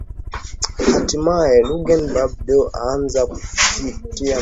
hatimae lauren bagbo aanza kufiata mkia na kutaka mazungumzo